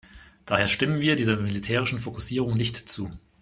Daher stimmen wir dieser militärischen Fokussierung nicht zu.